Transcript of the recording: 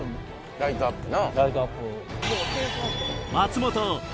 ライトアップな。